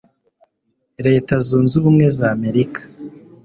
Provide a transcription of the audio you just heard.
leta zunze ubumwe z amerika